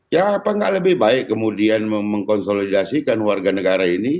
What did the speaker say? ya apa nggak lebih baik kemudian mengkonsolidasikan warga negara ini